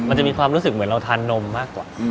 มันจะมีความรู้สึกเหมือนเราทานนมมากกว่า